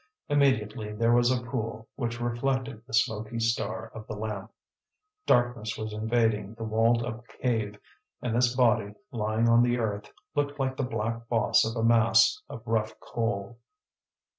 Immediately there was a pool, which reflected the smoky star of the lamp. Darkness was invading the walled up cave, and this body, lying on the earth, looked like the black boss of a mass of rough coal.